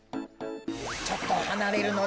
ちょっとはなれるのだ。